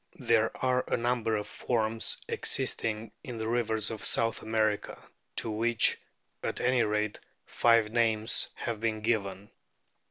583, 270 A BOOK OP WHALES there are a number of forms existing in the rivers <_> of South America to which, at any rate, five names have been given.